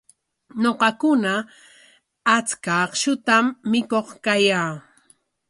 Ñuqakuna achka akshutam mikuq kayaa.